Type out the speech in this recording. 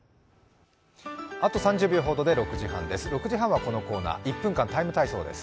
あと３０秒ほどで６時半です。